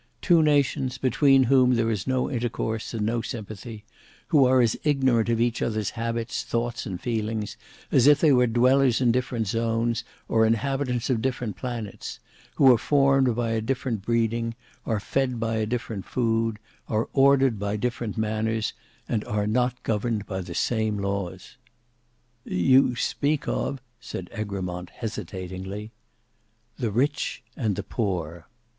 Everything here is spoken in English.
"Two nations; between whom there is no intercourse and no sympathy; who are as ignorant of each other's habits, thoughts, and feelings, as if they were dwellers in different zones, or inhabitants of different planets; who are formed by a different breeding, are fed by a different food, are ordered by different manners, and are not governed by the same laws." "You speak of—" said Egremont, hesitatingly. "THE RICH AND THE POOR."